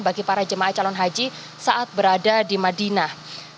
bagi para jemaah calon haji saat berada di madinah